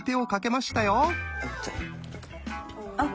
あっ。